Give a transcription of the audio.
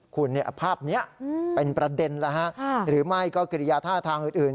คุณภาพนี้เป็นประเด็นแล้วฮะหรือไม่ก็กิริยาท่าทางอื่น